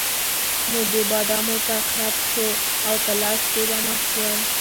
نو د بادامو به خرپ شو او په لاس کې به مات شول.